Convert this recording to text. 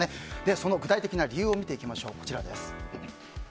その具体的な理由を見ていきましょう。